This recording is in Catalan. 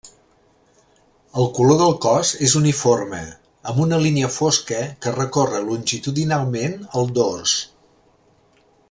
El color del cos és uniforme, amb una línia fosca que recorre longitudinalment el dors.